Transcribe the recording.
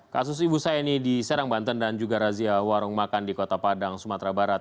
kasus ibu saini di serang banten dan juga razia warung makan di kota padang sumatera barat